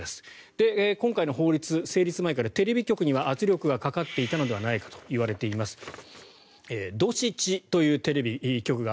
今回の法律成立前からテレビ局には圧力がかかっていたのではないかといわれています。